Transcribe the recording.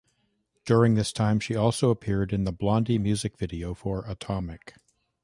During this time, she also appeared in the Blondie music video for Atomic.